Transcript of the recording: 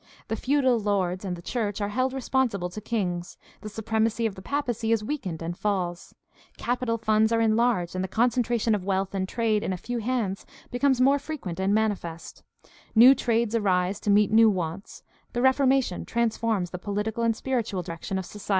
The feudal lords and the church are held responsible to kings; the supremacy of the papacy is weakened and falls; capital funds are enlarged and the con centration of wealth and trade in a few hands becomes more frequent and manifest; new trades arise to meet new wants; the Reformation transforms the political and spiritual direc tion of society.